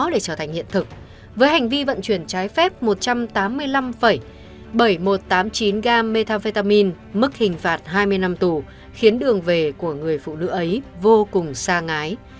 để trở thành hiện thực với hành vi vận chuyển trái phép một trăm tám mươi năm bảy nghìn một trăm tám mươi chín gam methamphetamin mức hình phạt hai mươi năm tù khiến đường về của người phụ nữ ấy vô cùng xai